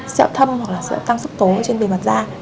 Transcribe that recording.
sẹo thâm hoặc là sẹo tăng sức tố trên bề mặt da